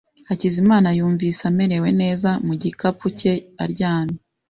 Hakizimana yumvise amerewe neza mu gikapu cye aryamye.